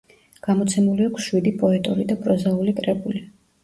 გამოცემული აქვს შვიდი პოეტური და პროზაული კრებული.